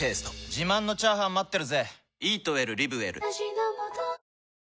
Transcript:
自慢のチャーハン待ってるぜ！